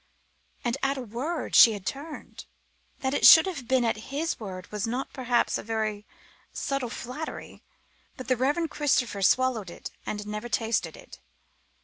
And at a word she had turned. That it should have been at his word was not perhaps a very subtle flattery but the Reverend Christopher swallowed it and never tasted it.